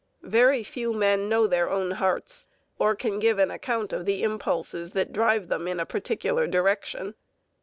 Very few men know their own hearts, or can give an account of the impulses that drive them in a particular direction.